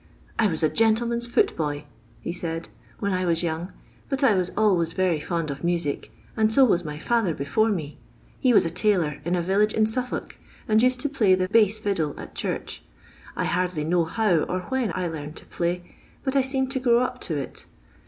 !" I was a gentleman's footboy," he said, "when i I was young, but I was always very fond of music, and CO was my fath»'r before me. He was a tailor ' in a village in Suffolk and uncd to play the Lnss fiddle at church. I hardly know huw or when I learned to play, but I seemed to grow up to it.